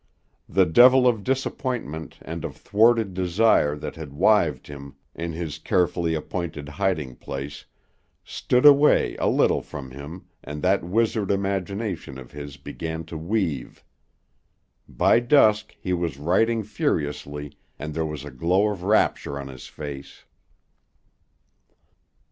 The devil of disappointment and of thwarted desire that had wived him in this carefully appointed hiding place stood away a little from him and that wizard imagination of his began to weave. By dusk, he was writing furiously and there was a glow of rapture on his face.